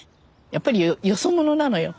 やっぱりよそ者なのよ。